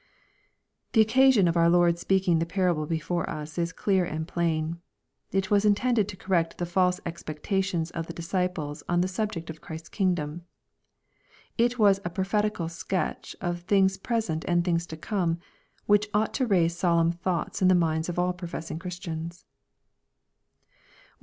The occasion of our Lord speaking the parable before us, is clear and plain. It was intended to correct the false expectations of the disciples on the subject of Christ's kingdom. It was a prophetical sketch of things present and things to come, which ought to raise solemn thoughts in the minds of all professing Christians.